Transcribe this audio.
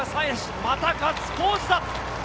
またガッツポーズだ！